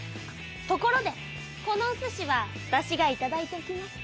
ところでこのおすしはわたしがいただいておきます。